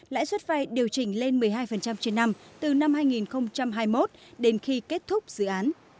lãi suất vai điều chỉnh lên một mươi hai trên năm từ năm hai nghìn hai mươi một đến khi kết thúc dự án